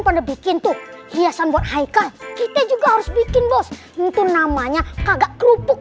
pada bikin tuh hiasan buat haikal kita juga harus bikin bos itu namanya kagak kerupuk